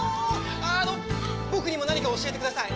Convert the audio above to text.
あの僕にも何か教えてください。